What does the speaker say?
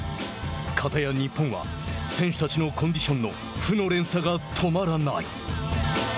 片や日本は選手たちのコンディションの負の連鎖が止まらない。